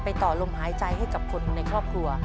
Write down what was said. ต่อลมหายใจให้กับคนในครอบครัว